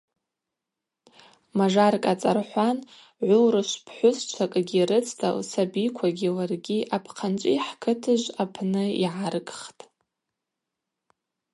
Мажаркӏ ацӏархӏван гӏвыурышв пхӏвысчвакӏгьи рыцта лсабиквагьи ларгьи апхъанчӏви хӏкытыжв апны йгӏаргхтӏ.